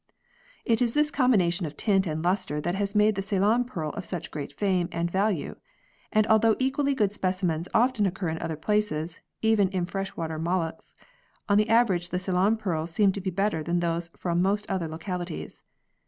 It is this combination of tint and lustre that has made the Ceylon pearl of such great fame and value, and although equally good specimens often occur in other places, even in fresh water molluscs, on the average the Ceylon pearls seem to be better than those from most other localities.